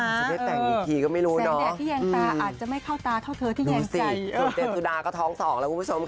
จะได้แต่งอีกทีก็ไม่รู้เนอะอืมนุ่มสิสูตรเดียวตุดาก็ท้องสองแล้วคุณผู้ชมค่ะ